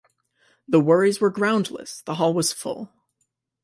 The worries were groundless: the hall was full.